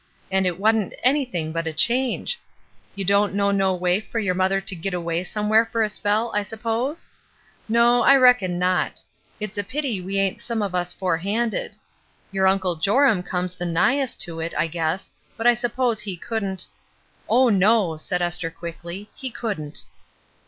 And it wa'n't anything but a change. You don't know no way for your mother to git away somewhere for a spell, I s'pose? No, I reckon CHILDREN OF ONE FATHER 387 not ; it's a pity we ain't some of us forehanded. Your Uncle Joram comes the nighest to it, I guess; but I s'pose he couldn't —" "Oh, no!'' said Esther, quickly. "He couldn't."